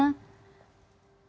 misalnya menjadi alumina